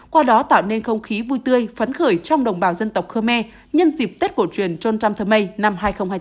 qua đó tạo nên không khí vui tươi phấn khởi trong đồng bào dân tộc khơ me nhân dịp tết cổ truyền trôn trăm thơ mây năm hai nghìn hai mươi bốn